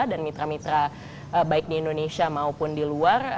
dan mitra mitra baik di indonesia maupun di luar